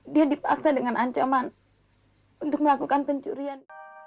dia dipaksa dengan ancaman untuk melakukan pencurian